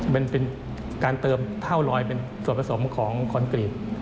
มันเป็นการเติมเท่าลอยเป็นส่วนผสมของคอนกรีต